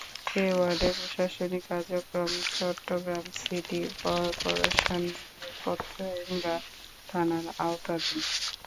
এ ওয়ার্ডের প্রশাসনিক কার্যক্রম চট্টগ্রাম সিটি কর্পোরেশনের পতেঙ্গা থানার আওতাধীন।